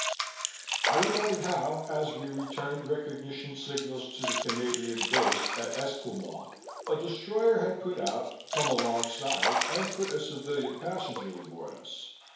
I remembered how, as we returned recognition signals to the Canadian base at Esquimault, a destroyer had put out, come alongside and put a civilian passenger aboard us.